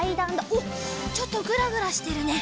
おっちょっとぐらぐらしてるね。